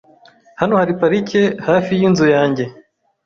Hano hari parike hafi yinzu yanjye .